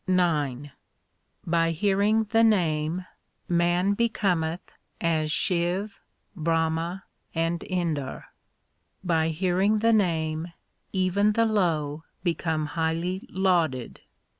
IX By hearing the Name man becometh as Shiv, Brahma, and Indar. By hearing the Name even the low become highly lauded.